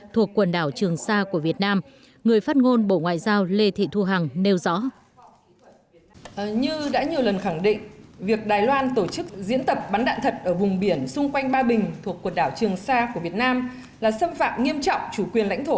thuộc quần đảo trường sa của việt nam người phát ngôn bộ ngoại giao lê thị thu hằng nêu rõ